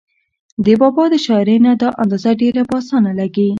د بابا د شاعرۍ نه دا اندازه ډېره پۀ اسانه لګي